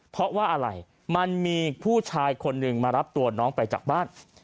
เพราะว่าอะไรมันมีผู้ชายคนหนึ่งมารับตัวน้องไปจากบ้าน